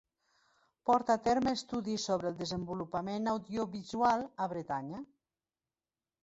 Porta a terme estudis sobre el desenvolupament audiovisual a Bretanya.